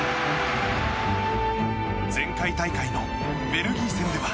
前回大会のベルギー戦では。